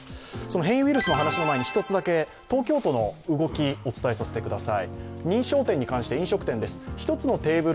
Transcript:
変異ウイルスの前に１つだけ、東京都の動きお伝えさせてください。